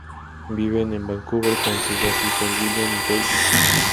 Viven en Vancouver con sus dos hijos, William y Grady.